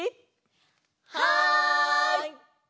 はい！